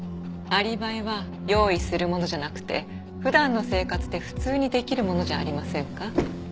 アリバイは用意するものじゃなくて普段の生活で普通にできるものじゃありませんか？